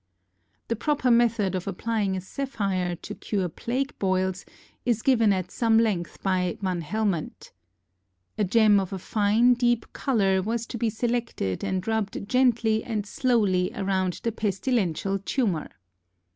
The proper method of applying a sapphire to cure plague boils is given at some length by Van Helmont. A gem of a fine, deep color was to be selected and rubbed gently and slowly around the pestilential tumor.